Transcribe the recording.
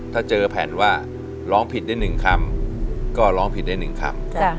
ถ้าเจอแผ่นว่าร้องผิดได้๑คำก็ร้องผิดได้๑คำ